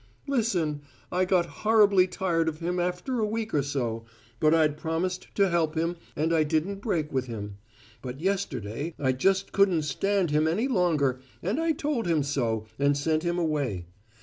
"Listen. I got horribly tired of him after a week or so, but I'd promised to help him and I didn't break with him; but yesterday I just couldn't stand him any longer and I told him so, and sent him away.